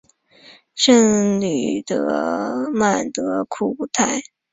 圣吕曼德库泰。